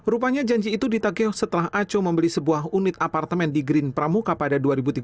rupanya janji itu ditakeh setelah aco membeli sebuah unit apartemen di green pramuka pada dua ribu tiga belas